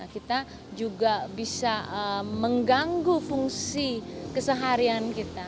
kita juga bisa mengganggu fungsi keseharian kita